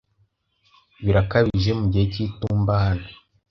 Birakabije mu gihe cy'itumba hano?